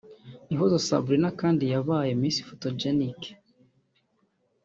Ihozo Sabrina kandi yabaye Miss Photogenic